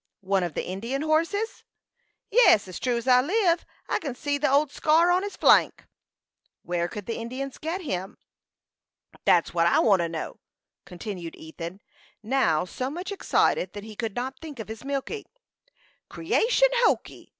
"One of the Indian horses?" "Yes; as true as you live! I kin see the old scar on his flank." "Where could the Indians get him?" "That's what I want to know," continued Ethan, now so much excited that he could not think of his milking. "Creation hokee!"